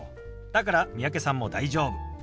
だから三宅さんも大丈夫。